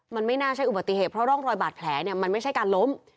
มันไม่น่าใช่อุบัติเหตุเพราะร่องรอยบาดแผลเนี่ยมันไม่ใช่การล้ม